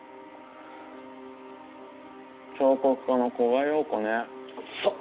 彫刻家の古賀洋子ねえそう！